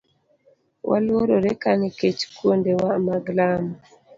Waluorore ka nikech kuondewa mag lamo.